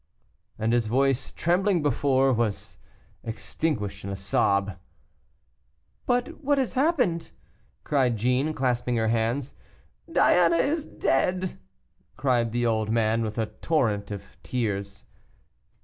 And his voice, trembling before, was extinguished in a sob. "But what has happened?" cried Jeanne, clasping her hands. "Diana is dead!" cried the old man, with a torrent of tears.